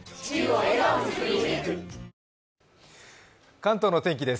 関東の天気です。